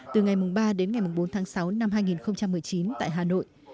từ ngày ba đến ngày bốn tháng sáu năm hai nghìn một mươi chín tại hà nội